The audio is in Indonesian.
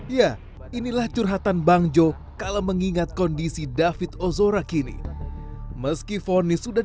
ya inilah curhatan bang jo kalau mengingat kondisi david ozora kini meski fonis sudah